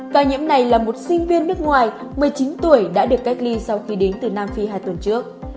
ca nhiễm này là một sinh viên nước ngoài một mươi chín tuổi đã được cách ly sau khi đến từ nam phi hai tuần trước